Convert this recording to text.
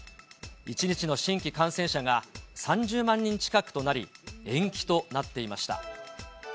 １日の新規感染者が３０万人近くとなり、延期となっていました。